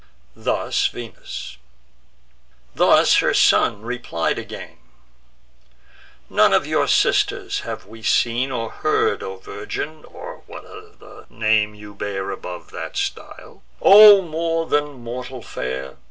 Thus Venus: thus her son replied again: "None of your sisters have we heard or seen, O virgin! or what other name you bear Above that style; O more than mortal fair!